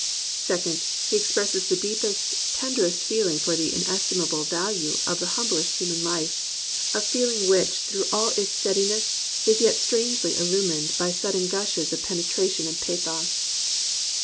Second, he expresses the deepest, tenderest feeling of the inestimable value of the humblest human life, — a feeling which 204 THE RECOVERY OF JOY through all its steadiness is yet strangely illumined by sudden gushes of penetration and pathos.